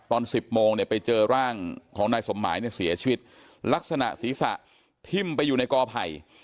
ตอน๑๐โมงไปเจอร่างของนายสมหายเสียชีวิตลักษณะศีรษะทิ่มไปอยู่ในกอไผ่